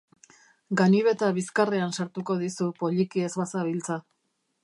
Ganibeta bizkarrean sartuko dizu, poliki ez bazabiltza.